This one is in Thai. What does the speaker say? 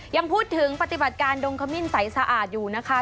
ยังพูดถึงปฏิบัติการดงขมิ้นใสสะอาดอยู่นะคะ